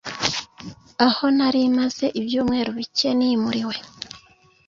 aho nari maze ibyumweru bike nimuriwe.